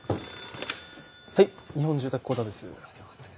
はい日本住宅公団です。